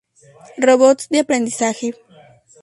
Robots de aprendizaje.